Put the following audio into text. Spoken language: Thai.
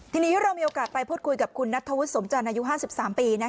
ทีนี้เรามีโอกาสไปพูดคุยกับคุณนัทธวุฒิสมจันทร์อายุ๕๓ปี